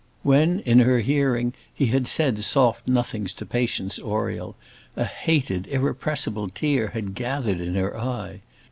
When, in her hearing, he had said soft nothings to Patience Oriel, a hated, irrepressible tear had gathered in her eye.